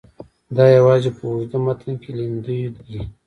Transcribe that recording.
دا یوازې په اوږده متن کې لیندیو دي.